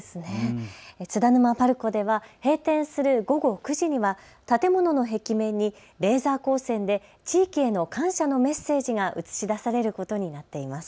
津田沼パルコでは閉店する午後９時には建物の壁面にレーザー光線で地域への感謝のメッセージが映し出されることになっています。